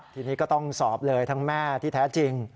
ทีนี้ก็ต้องสอบเลยทั้งแม่ที่แท้จริง